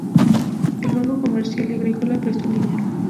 El Banco Comercial y Agrícola prestó el dinero.